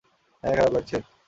হ্যাঁ খারাপ লাগছে?